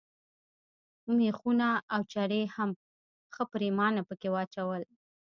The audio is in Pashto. مېخونه او چرې مې هم ښه پرېمانه پکښې واچول.